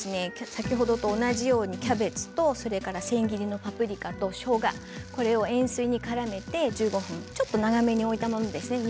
先ほどと同じようにキャベツと、それから千切りのパプリカと、しょうがこれを塩水にからめて１５分ちょっと長めに置いたものです。